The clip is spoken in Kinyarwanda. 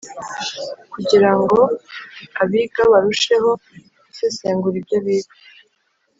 kugira ngo abiga barusheho gusesengura ibyo biga.